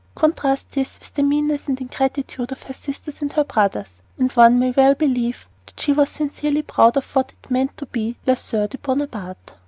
Contrast this with the meanness and ingratitude of her sisters and her brothers, and one may well believe that she was sincerely proud of what it meant to be la soeur de Bonaparte.